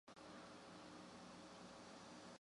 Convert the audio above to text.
斯沙尔拉克贝尔甘伊尔姆斯泰。